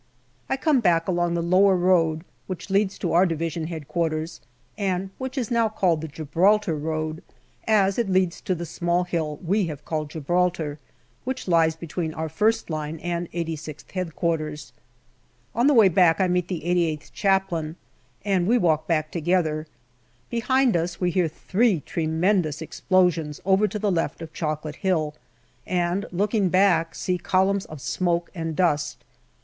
I come back along the lower road which leads to our D.H.Q., and which is now called the Gibraltar road, as it leads to the small hill we have called Gib raltar, which lies between our first line and 86th H.Q. On the way I meet the 88th Chaplain, and we walk back together. Behind us we hear three tremendous explosions over to the left of Chocolate Hill, and looking back, see columns of smoke and dust.